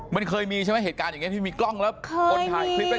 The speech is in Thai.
มันเคยมีใช่มั้ยเหตุการณ์อย่างนี้ที่มีกล้องแล้ว